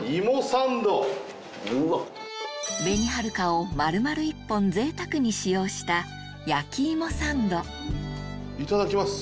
紅はるかを丸々１本ぜいたくに使用したいただきます。